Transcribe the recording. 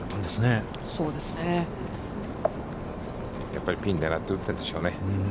やっぱりピンを狙って打っているんでしょうね。